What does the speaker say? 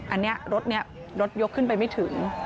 อันนี้รถนี้รถยกขึ้นไปไม่ถึง